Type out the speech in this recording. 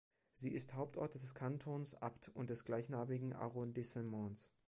Sie ist Hauptort des Kantons Apt und des gleichnamigen Arrondissements.